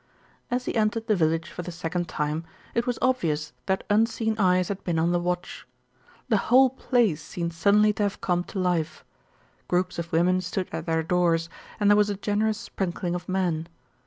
As he entered the village for the second time, it was obvious that unseen eyes had been on the watch. The whole place seemed suddenly to have come to life. Groups of women stood at their doors, and there was a generous sprinkling of men.